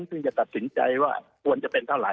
ซึ่งจะตัดสินใจว่าควรจะเป็นเท่าไห